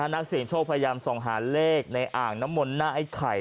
นักเสียงโชคพยายามส่องหาเลขในอ่างน้ำมนต์หน้าไอ้ไข่